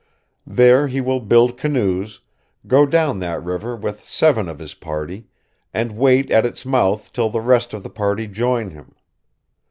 There he will build canoes, go down that river with seven of his party, and wait at its mouth till the rest of the party join him.